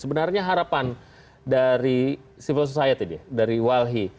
sebenarnya harapan dari civil society ya dari walhi